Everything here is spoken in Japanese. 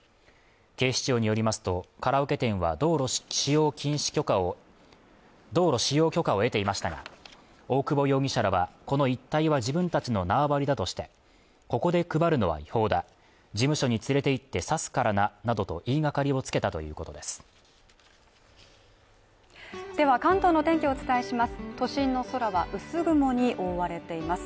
警視庁によりますとカラオケ店は道路使用許可を得ていましたが大久保容疑者らはこの一帯は自分たちの縄張りだとしてここで配るのは違法だ事務所に連れていって刺すからななどと言いがかりをつけたということですでは関東の天気をお伝えします都心の空は薄雲に覆われています